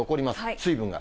水分が。